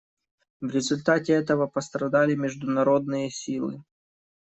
В результате этого пострадали международные силы.